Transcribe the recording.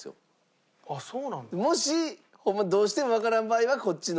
もしホンマどうしてもわからん場合はこっちの。